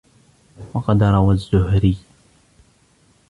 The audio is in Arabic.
وَقَدْ رَوَى الزُّهْرِيُّ